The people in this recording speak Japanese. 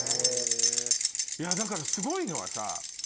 だからすごいのはさ